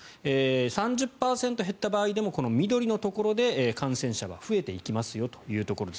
３０％減った場合でもこの緑のところで感染者は増えていきますよというところです。